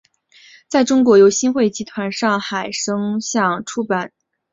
在中国由新汇集团上海声像出版社有限公司出版发行。